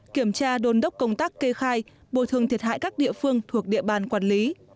kiểm tra đôn đốc công tác kê khai bồi thường thiệt hại các địa phương thuộc địa bàn quản lý